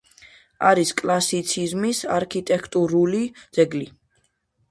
არის კლასიციზმის არქიტექტურული ძეგლი.